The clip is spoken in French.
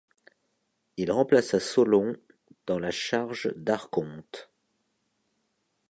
Il remplaça Solon dans la charge d'archonte.